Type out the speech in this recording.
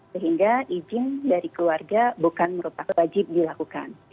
sehingga izin dari keluarga bukan merupakan wajib dilakukan